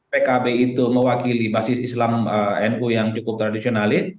pkb itu mewakili basis islam nu yang cukup tradisionalis